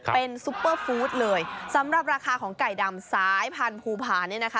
เป็นซุปเปอร์ฟู้ดเลยสำหรับราคาของไก่ดำสายพันธุ์ภูพาเนี่ยนะคะ